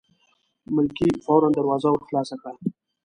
ملکې فوراً دروازه ور خلاصه کړه.